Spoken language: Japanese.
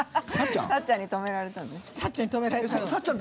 さっちゃんに止められたんだよね。